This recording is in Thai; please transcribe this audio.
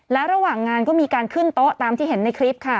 และระหว่างงานก็มีการขึ้นโต๊ะตามที่เห็นในคลิปค่ะ